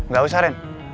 gak usah ren